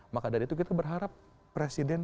maka dari itu kita berharap presiden